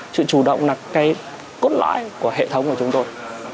sự chủ động là cái cốt lõi của hệ thống của chúng tôi